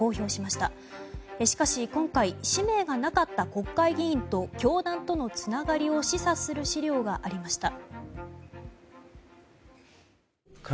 しかし、今回氏名がなかった国会議員と教団とのつながりを示唆する資料がありました。